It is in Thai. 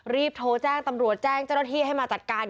รีบโทรแจ้งตำรวจแจ้งเจ้าหน้าที่ให้มาจัดการ